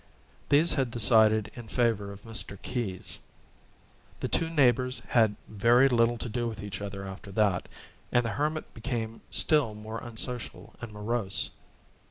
These had decided in favor of Mr. Keyes. The two neighbors had very little to do with each other after that; and the hermit became still more unsocial and morose.